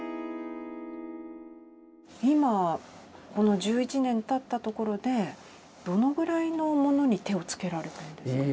今この１１年たったところでどのぐらいのものに手をつけられたんですか？